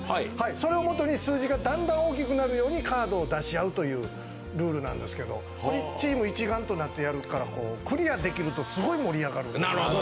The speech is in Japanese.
それをもとに数字がだんだん大きくなるようにカードを出し合うというルールなんですけど、チーム一丸となってやるから、クリアできるとすごい盛り上がるゲームです。